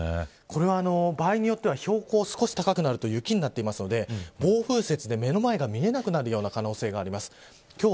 場合によっては標高が高くなると雪になりますので暴風雪で目の前が見えなくなるような可能性があります。